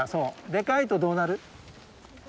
でかいとどうなる？